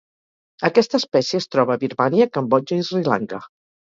Aquesta espècie es troba a Birmània, Cambodja i Sri Lanka.